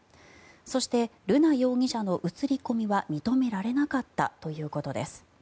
そして、瑠奈容疑者の映り込みは認められなかったということです。